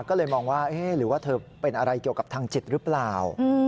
ก็เลยมองว่าเธอเป็นอะไรเกี่ยวกับทางจิตรึเปล่า